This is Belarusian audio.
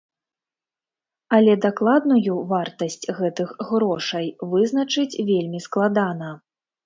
Але дакладную вартасць гэтых грошай вызначыць вельмі складана.